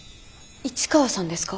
市川さんですか？